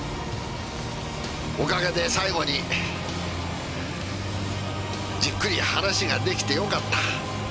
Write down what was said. おかげで最後にじっくり話が出来てよかった。